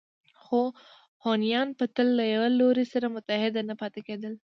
خو هونیان به تل له یوه لوري سره متحد نه پاتې کېدل